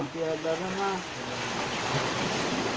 tidak ada rumah